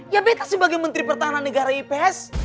ya bekas sebagai menteri pertahanan negara ips